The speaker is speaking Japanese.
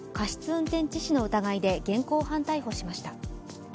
運転致死の疑いで現行犯逮捕しました。